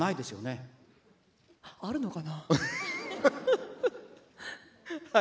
あるのかな。